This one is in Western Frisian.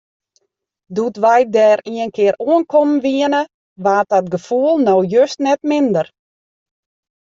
Doe't wy dêr ienkear oankommen wiene, waard dat gefoel no just net minder.